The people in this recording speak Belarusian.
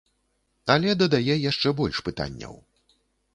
Але дадае яшчэ больш пытанняў.